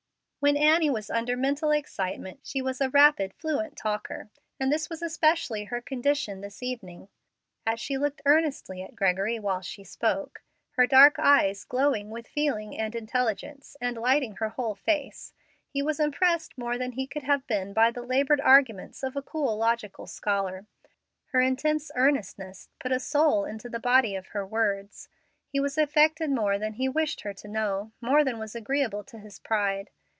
'" When Annie was under mental excitement, she was a rapid, fluent talker, and this was especially her condition this evening. As she looked earnestly at Gregory while she spoke, her dark eyes glowing with feeling and intelligence and lighting her whole face, he was impressed more than he could have been by the labored arguments of a cool, logical scholar. Her intense earnestness put a soul into the body of her words. He was affected more than he wished her to know, more than was agreeable to his pride.